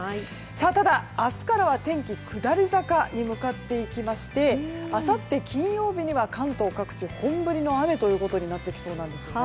ただ、明日からは天気下り坂に向かっていきましてあさって金曜日には関東各地本降りの雨となりそうです。